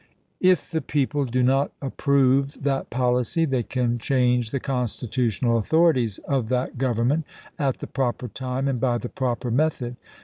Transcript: /f the people do not approve that policy they can change the constitutional authorities of that Government, at the proper time and by the proper method.